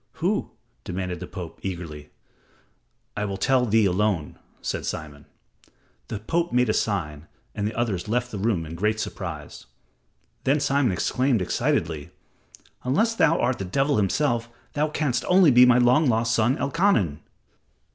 "Who?" demanded the Pope, eagerly. "I will tell thee alone," said Simon. The Pope made a sign, and the others left the room in great surprise. Then Simon exclaimed excitedly, "Unless thou art the devil himself, thou canst only be my long lost son, Elkanan."